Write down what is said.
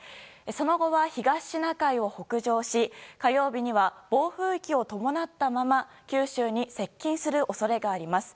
その後は東シナ海を北上し火曜日には暴風域を伴ったまま九州に接近する恐れがあります。